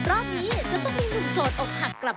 กับพอรู้ดวงชะตาของเขาแล้วนะครับ